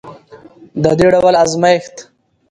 د دې ډول ازمیښت